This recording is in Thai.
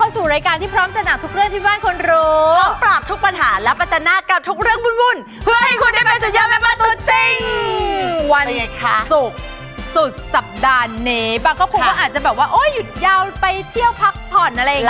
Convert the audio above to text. สุดสัปดาห์นี้บางคนก็คงว่าอาจจะแบบว่าโอ๊ยหยุดยาวไปเที่ยวพักผ่อนอะไรอย่างนี้เนอะ